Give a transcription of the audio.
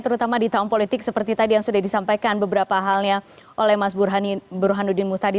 terutama di tahun politik seperti tadi yang sudah disampaikan beberapa halnya oleh mas burhanuddin muhtadi